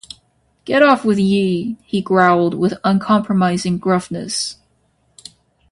‘Get off with ye!’ he growled, with uncompromising gruffness.